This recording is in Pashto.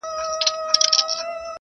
هره ورځ د خپل هدف په لور ګام واخله.